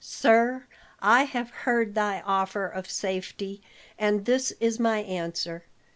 "Sir, I have heard thy offer of safety, and this is my answer.